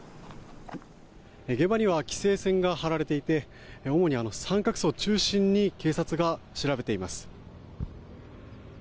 現場には規制線が張られていて主に三角州を中心に警察が調べています。